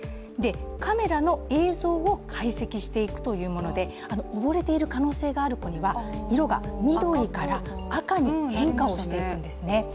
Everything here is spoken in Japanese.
カメラの映像を解析していくというもので、溺れている可能性がある子には色が緑から赤に変化していくんですね。